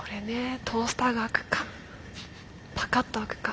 トースターが開くかパカッと開くか。